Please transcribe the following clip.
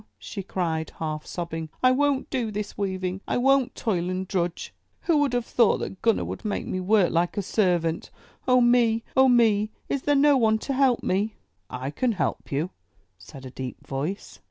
*' she cried, half sobbing, '*I won't do this weaving! — I won't toil and drudge! Who would have thought that Gunner would make me work like a servant? Oh, me! Oh, me! Is there no one to help me?" '1 can help you," said a deep voice.